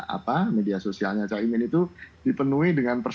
apa media sosialnya caimin itu dipenuhi dengan persoalan